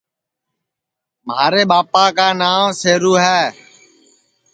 مھارے ٻاپا کا ناو شیرو ہے